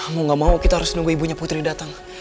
kamu gak mau kita harus nunggu ibunya putri datang